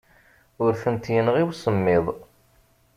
Ur tent-yenɣi usemmiḍ.